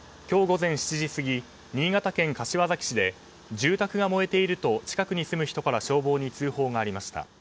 今日午前７時過ぎ新潟県柏崎市で住宅が燃えていると近くに住む人から消防に通報がありました。